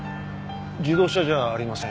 自動車じゃありません。